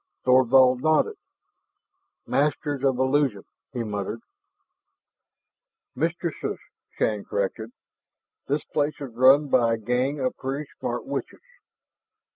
Thorvald nodded. "Masters of illusion," he murmured. "Mistresses," Shann corrected. "This place is run by a gang of pretty smart witches."